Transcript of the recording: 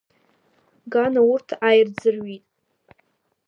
Гана урҭ ааирӡырҩит.